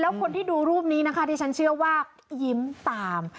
แล้วคนที่ดูรูปนี้นะคะที่ฉันเชื่อว่ายิ้มตาม